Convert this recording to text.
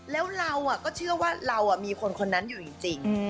แล้วเราก็เชื่อว่าเรามีคนคนนั้นอยู่จริง